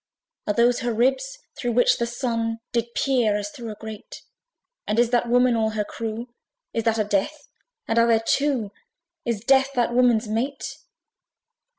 Are those her ribs through which the Sun Did peer, as through a grate? And is that Woman all her crew? Is that a DEATH? and are there two? Is DEATH that woman's mate?